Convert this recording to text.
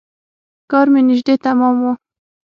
کار مې نژدې تمام و.